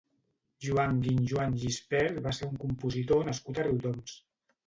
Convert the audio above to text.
Joan Guinjoan Gispert va ser un compositor nascut a Riudoms.